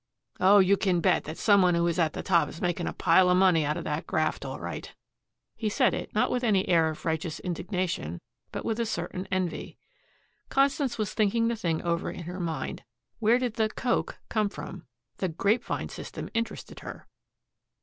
Oh, you can bet that some one who is at the top is making a pile of money out of that graft, all right." He said it not with any air of righteous indignation, but with a certain envy. Constance was thinking the thing over in her mind. Where did the "coke" come from? The "grapevine" system interested her.